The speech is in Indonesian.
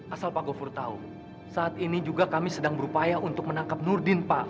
asal pak gofur tahu saat ini juga kami sedang berupaya untuk menangkap nurdin pak